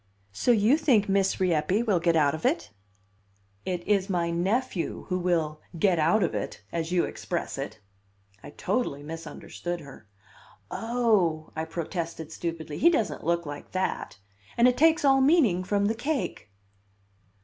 "So you think Miss Rieppe will get out of it?" "It is my nephew who will 'get out of it,' as you express it." I totally misunderstood her. "Oh!" I protested stupidly. "He doesn't look like that. And it takes all meaning from the cake."